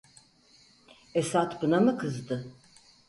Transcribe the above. Esad buna mı kızdı?